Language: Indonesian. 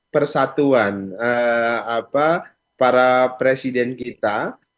persatuan para presiden kita